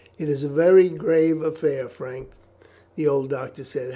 "It is a very grave affair, Frank," the old doctor said.